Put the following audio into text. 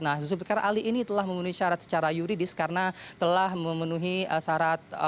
nah zulkiflikar ali ini telah memenuhi syarat secara yuridis karena telah memenuhi syarat